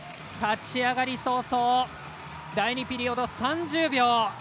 立ち上がり早々、第２ピリオド３０秒。